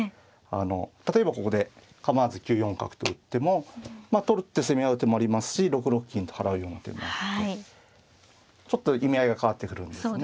あの例えばここで構わず９四角と打っても取って攻め合う手もありますし６六銀と払うような手もあってちょっと意味合いが変わってくるんですね。